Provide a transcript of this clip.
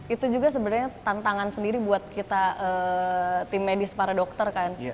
itu juga sebenarnya tantangan sendiri buat kita tim medis para dokter kan